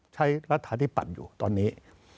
ใช้รัฐฐานิปันย์อยู่ตอนนี้